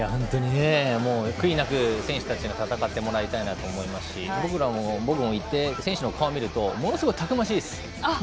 悔いなく、選手たちには戦ってもらいたいなと思いますし、僕も行って選手の顔を見るとものすごいたくましいです。